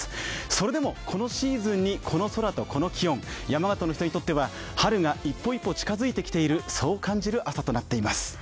それでもこのシーズンにこの空とこの気温、山形の人にとっては春が一歩一歩近づいて来ているそんな朝になっています。